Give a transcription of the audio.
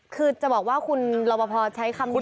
คือจะบอกว่าคุณรับประพอใช้คำอยากก่อน